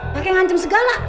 pake ngancem segala